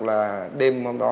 là đêm hôm đó